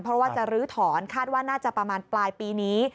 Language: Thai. เพราะว่าจะลื้อถอนคาดว่าน่าจะประมาณปลายปีนี้